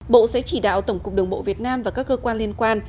bộ sẽ chỉ đạo tổng cục đường bộ việt nam và các cơ quan liên quan